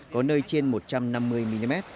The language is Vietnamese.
có nơi trên một trăm năm mươi mm